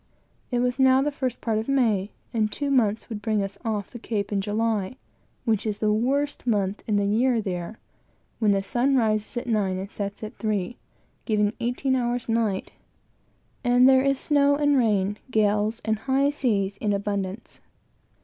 It was now the first part of May; and two months would bring us off the cape in July, which is the worst month in the year there; when the sun rises at nine and sets at three, giving eighteen hours night, and there is snow and rain, gales and high seas, in abundance.